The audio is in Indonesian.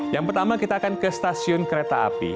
yang pertama kita akan ke stasiun kereta api